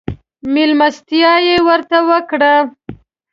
مېلمستيا يې ورته وکړه.